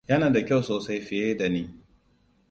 Yana da kyau sosai fiye da ni.